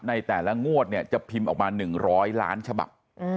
ในแต่ละงวดเนี่ยจะพิมพ์ออกมา๑๐๐ล้านฉบับ